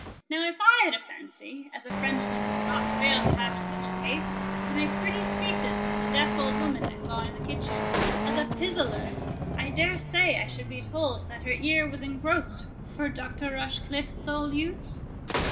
"Now, if I had a fancy, as a Frenchman would not fail to have in such a case, to make pretty speeches to the deaf old woman I saw in the kitchen, as a pisaller, I dare say I should be told that her ear was engrossed for Dr. Rochecliffe's sole use?"